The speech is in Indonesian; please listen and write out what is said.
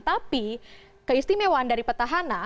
tapi keistimewaan dari personel ini adalah